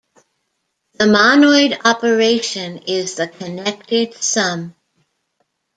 The monoid operation is the connected sum.